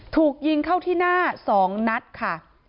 ถูกยิงเข้าที่หน้า๒นัดค่ะ